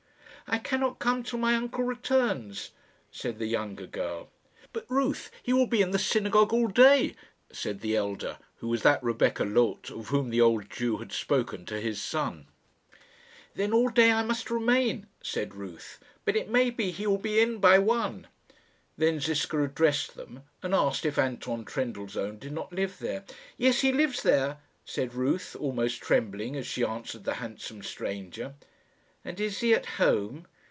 "I cannot come till my uncle returns," said the younger girl. "But, Ruth, he will be in the synagogue all day," said the elder, who was that Rebecca Loth of whom the old Jew had spoken to his son. "Then all day I must remain," said Ruth; "but it may be he will be in by one." Then Ziska addressed them, and asked if Anton Trendellsohn did not live there. "Yes; he lives there," said Ruth, almost trembling, as she answered the handsome stranger. "And is he at home?"